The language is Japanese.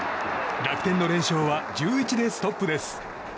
楽天の連勝は１１でストップです。